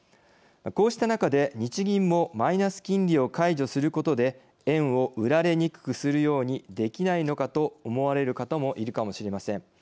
こうした中で日銀もマイナス金利を解除することで円を売られにくくするようにできないのかと思われる方もいるかもしれません。